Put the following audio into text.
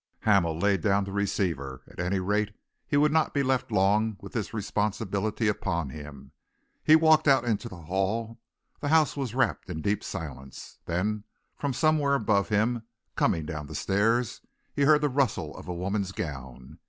Hamel laid down the receiver. At any rate, he would not be left long with this responsibility upon him. He walked out into the hall. The house was still wrapped in deep silence. Then, from somewhere above him, coming down the stairs, he heard the rustle of a woman's gown.